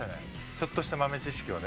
ちょっとした豆知識をね